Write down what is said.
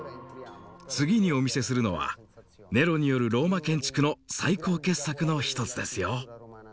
次にお見せするのはネロによるローマ建築の最高傑作の１つですよ。